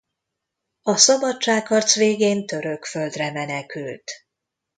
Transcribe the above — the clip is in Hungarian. A szabadságharc végén török földre menekült.